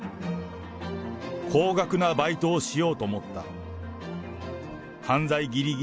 高額なバイトをしようと思った。